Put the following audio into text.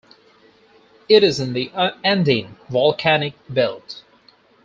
It is in the Andean Volcanic Belt.